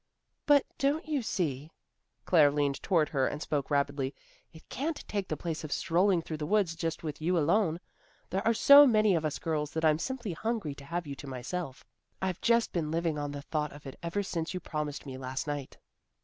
"But, don't you see," Claire leaned toward her and spoke rapidly, "it can't take the place of strolling through the woods just with you alone? There are so many of us girls that I'm simply hungry to have you to myself. I've just been living on the thought of it ever since you promised me last night."